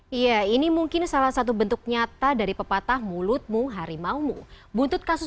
hai ya ini mungkin salah satu bentuk nyata dari pepatah mulutmu harimau mu buntut kasus